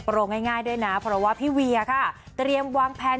เพราะว่าพี่เวียเตรียมวางแผน